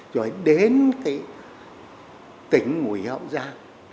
rồi đến tỉnh nguyễn hậu giang